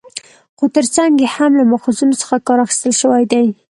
خو تر څنګ يې هم له ماخذونو څخه کار اخستل شوى دى